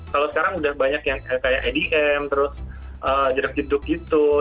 kalau sekarang udah banyak yang kayak edm terus jeruk jet duduk gitu